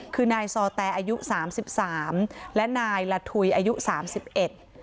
คือนายซอแตอายุสามสิบสามและนายละทุยอายุสามสิบเอ็ด